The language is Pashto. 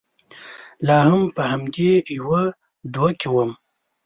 لا هم په همدې يوه دوه کې ووم.